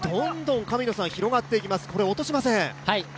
どんどん広がっていきます、落としません。